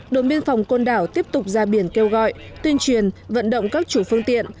đồn biên phòng côn đảo tiếp tục ra biển kêu gọi tuyên truyền vận động các chủ phương tiện